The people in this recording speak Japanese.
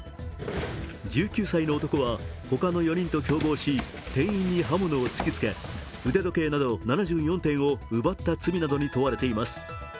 １９歳の男は、他の４人と共謀し店員に刃物を突きつけ腕時計など７４点を奪った罪などに問われています。